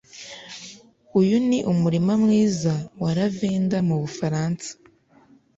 Uyu ni umurima mwiza wa lavender mubufaransa.